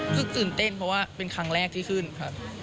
คือตื่นเต้นเพราะว่าเป็นครั้งแรกที่ขึ้นครับ